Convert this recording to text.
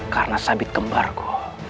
karena sabit kembarku